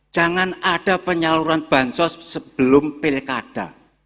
jangan ada penyaluran bansos sebelum pilkada